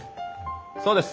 そうです。